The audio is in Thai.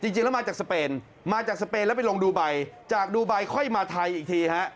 จริงแล้วมาจากสเปนมาจากสเปนแล้วไปลงดูไบจากดูไบค่อยมาไทยอีกทีฮะ